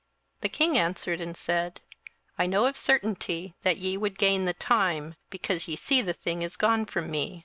27:002:008 The king answered and said, I know of certainty that ye would gain the time, because ye see the thing is gone from me.